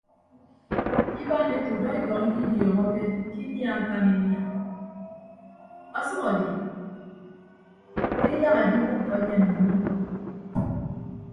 Ibaan ete udọ ekọñ ikidiọọñọke ke inia akan inia ọsʌk edi ke ayak ediwʌkkọ enyen ọmmọ.